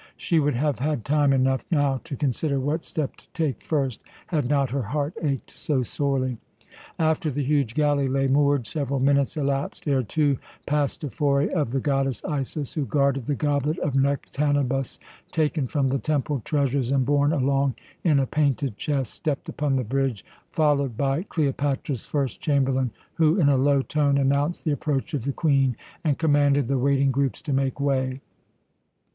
She would have had time enough now to consider what step to take first, had not her heart ached so sorely. After the huge galley lay moored, several minutes elapsed ere two pastophori of the goddess Isis, who guarded the goblet of Nektanebus, taken from the temple treasures and borne along in a painted chest, stepped upon the bridge, followed by Cleopatra's first chamberlain, who in a low tone announced the approach of the Queen and commanded the waiting groups to make way.